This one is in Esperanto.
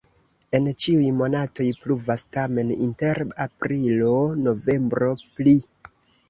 En ĉiuj monatoj pluvas, tamen inter aprilo-novembro pli.